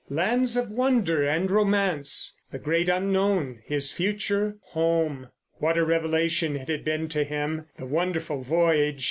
Lands of wonder and romance. The great Unknown, his future Home! What a revelation it had been to him—the wonderful voyage.